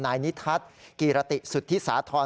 นายนิทัศน์กีรติสุธิสาธรณ์